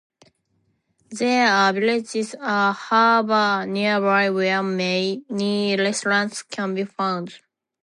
There are villages and a harbour nearby where many restaurants can be found.